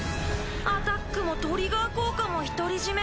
アタックもトリガー効果も独り占め。